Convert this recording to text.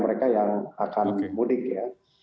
mereka yang akan mudik ya